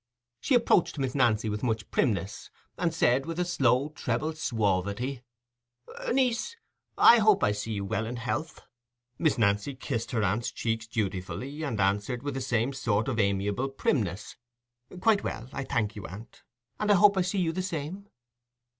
She approached Miss Nancy with much primness, and said, with a slow, treble suavity— "Niece, I hope I see you well in health." Miss Nancy kissed her aunt's cheek dutifully, and answered, with the same sort of amiable primness, "Quite well, I thank you, aunt; and I hope I see you the same."